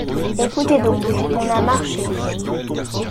Écoutez donc, on a marché.